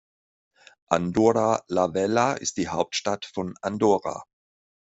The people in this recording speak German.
Andorra la Vella ist die Hauptstadt von Andorra.